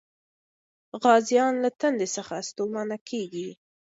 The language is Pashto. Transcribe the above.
غازيان له تندې څخه ستومانه کېږي.